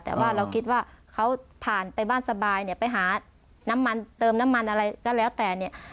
แต่ว่าเราคิดว่าเขาผ่านไปบ้านสบายเนี่ยไปหาน้ำมันเติมน้ำมันอะไรก็แล้วแต่เนี่ย